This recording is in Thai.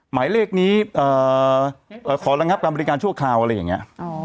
หมายเลขนี้ขอระงับการบริการชั่วคราวอะไรอย่างนี้